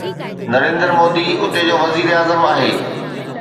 نريندر مودي اتي جو وزيراعظم آهي.